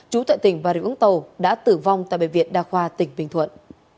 chú tại tỉnh và rượu ứng tàu đã tử vong tại bệnh viện đa khoa tỉnh bình thuận